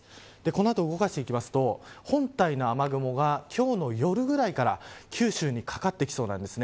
この後、動かしていくと本体の雨雲が今日の夜ぐらいから九州にかかってきそうなんです。